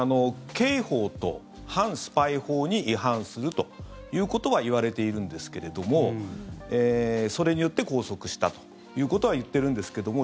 刑法と反スパイ法に違反するということはいわれているんですけれどもそれによって拘束したということは言ってるんですけども